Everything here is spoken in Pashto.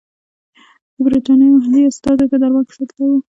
د برټانیې محلي استازی په دربار کې ساتلی وو.